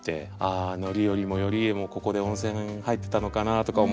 あ範頼も頼家もここで温泉入ってたのかなとか思って。